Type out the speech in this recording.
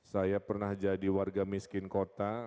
saya pernah jadi warga miskin kota